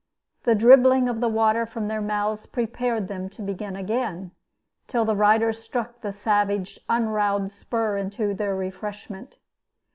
The dribbling of the water from their mouths prepared them to begin again, till the riders struck the savage unroweled spur into their refreshment.